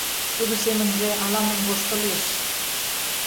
Тудо семынже ала-мом воштылеш.